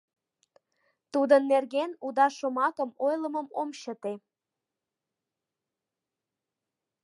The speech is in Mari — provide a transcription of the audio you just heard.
Тудын нерген уда шомакым ойлымым ом чыте.